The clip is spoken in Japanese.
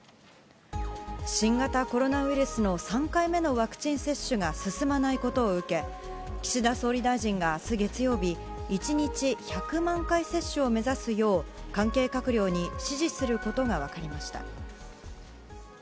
新型コロナウイルスの３回目のワクチン接種が進まないことを受け岸田総理大臣が明日月曜日１日１００万回接種を目指すよう関係閣僚に指示することが分かりました。